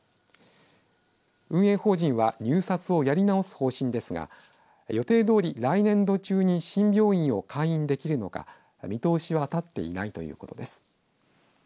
運営法人は入札をやり直す方針ですが予定どおり来年度中に新病院を開院できるのか見通しは立っていないということです。